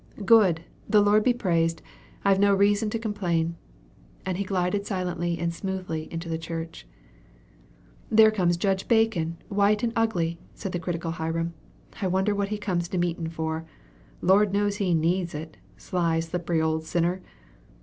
"Good the Lord be praised! I've no reason to complain." And he glided silently and smoothly into the church. "There comes Judge Bacon, white and ugly," said the critical Hiram. "I wonder what he comes to meetin' for. Lord knows he needs it, sly, slippery old sinner!